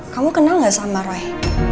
kamu kenal nggak sama roy